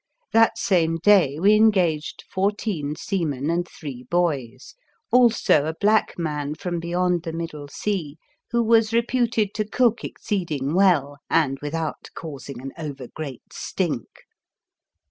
That same day we engaged fourteen seamen and three boys, also a black man from beyond the Middle Sea who was re puted to cook exceeding well and with out causing an over great stink.